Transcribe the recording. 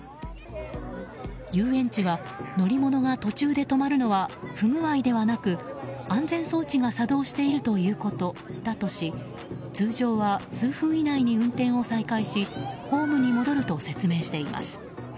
遊園地は乗り物が途中で止まるのは不具合ではなく安全装置が作動しているということだとし通常は数分以内に運転を再開しホームに戻ると説明しています。